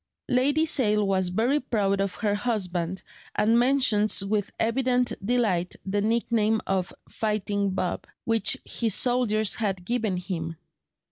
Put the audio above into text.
Lady Sale was very proud of her husband, and mentions with evident delight the nickname of "Fighting Bob," which his soldiers had given him.